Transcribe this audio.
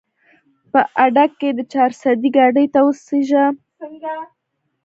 په اډه کښې د چارسدې ګاډي ته وخېژه